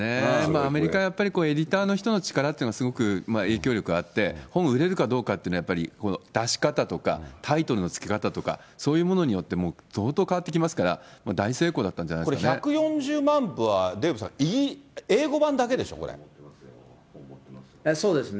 アメリカはやっぱりエディターの人の力ってすごく影響力あって、本売れるかどうかというのはやっぱり出し方とか、タイトルの付け方とか、そういうものによって相当変わってきますから、大成功だこれ１４０万部は、デーブさそうですね。